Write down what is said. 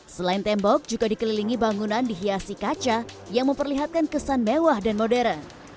selain tembok juga dikelilingi bangunan dihiasi kaca yang memperlihatkan kesan mewah dan modern